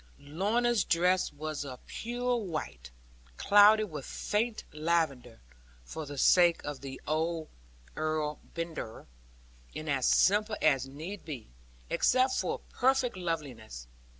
Lorna's dress was of pure white, clouded with faint lavender (for the sake of the old Earl Brandir), and as simple as need be, except for perfect loveliness.